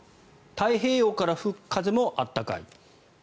太平洋から吹く風も暖かい。